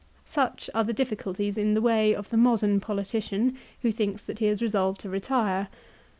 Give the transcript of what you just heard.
Such are the difficulties in the way of the modern politician who thinks that he has resolved to retire.